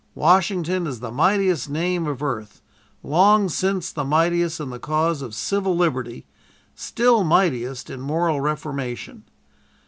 Washington is the mightiest name of earth, long since the mightiest in the cause of civil liberty, still mightiest in moral reformation.